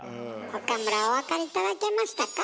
岡村お分かり頂けましたか？